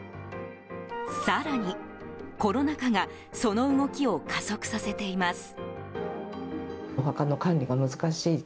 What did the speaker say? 更に、コロナ禍がその動きを加速させています。